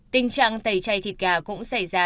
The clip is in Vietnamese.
tình trạng tẩy chay thịt gà cũng xảy ra